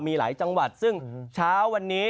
มีหลายจังหวัดซึ่งเช้าวันนี้